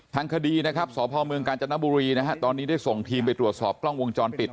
ทางคดีนะครับสพเมืองกาญจนบุรีนะฮะตอนนี้ได้ส่งทีมไปตรวจสอบกล้องวงจรปิด